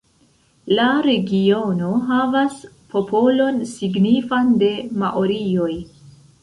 La regiono havas popolon signifan de maorioj.